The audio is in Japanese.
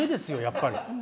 やっぱり。